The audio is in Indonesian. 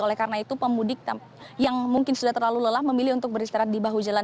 oleh karena itu pemudik yang mungkin sudah terlalu lelah memilih untuk beristirahat di bahu jalan